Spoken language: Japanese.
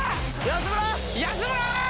安村！